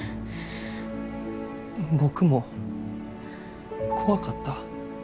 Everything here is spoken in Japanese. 僕も怖かった。